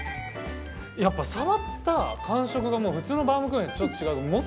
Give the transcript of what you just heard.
やっぱ触った感触がもう普通のバウムクーヘンとちょっと違う。